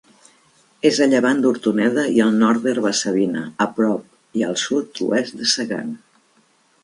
És a llevant d'Hortoneda i al nord d'Herba-savina, a prop i al sud-oest de Segan.